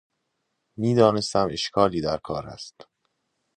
میدانستم اشکالی در کار است.